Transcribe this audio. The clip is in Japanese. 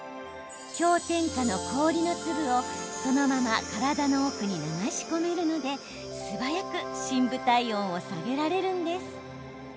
氷点下の氷の粒をそのまま体の奥に流し込めるので素早く深部体温を下げられるんです。